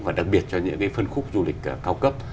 và đặc biệt cho những cái phân khúc du lịch cao cấp